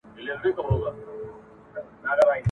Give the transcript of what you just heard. زه خبر سوم !.